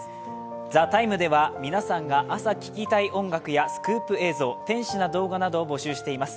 「ＴＨＥＴＩＭＥ，」では皆さんが朝聴きたい音楽やスクープ映像、天使な動画などを募集しています。